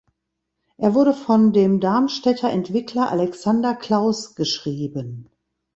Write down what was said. Er wurde von dem Darmstädter Entwickler Alexander Clauss geschrieben.